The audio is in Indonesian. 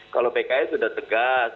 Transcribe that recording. kalau pks sudah tegas